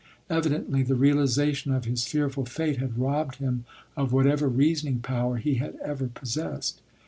Evidently the realization of his fearful fate had robbed him of whatever reasoning power he had ever possessed.